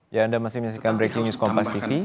ya anda masih menyaksikan breaking news kompas tv